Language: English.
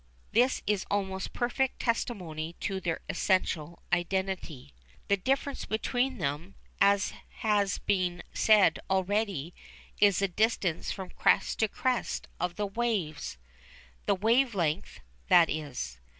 This is almost perfect testimony to their essential identity. The difference between them, as has been said already, is the distance from crest to crest of the waves the "wave length," that is.